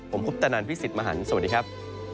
ผมคุปตะนันพี่สิทธิ์มหันฯสวัสดีครับ